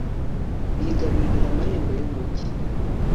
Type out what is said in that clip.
bigarurira amarembo y'umugi